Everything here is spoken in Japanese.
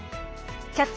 「キャッチ！